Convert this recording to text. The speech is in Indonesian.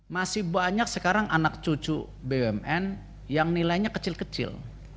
masih banyak sekarang anak cucu bumn yang nilainya kecil kecil